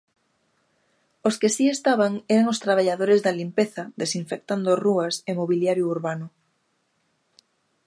Os que si estaban eran os traballadores da limpeza desinfectando rúas e mobiliario urbano.